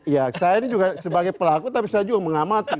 ya saya ini juga sebagai pelaku tapi saya juga mengamati